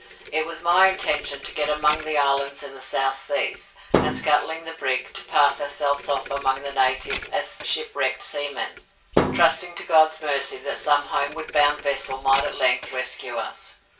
It was my intention to get among the islands in the South Seas, and scuttling the brig, to pass ourselves off among the natives as shipwrecked seamen, trusting to God's mercy that some homeward bound vessel might at length rescue us.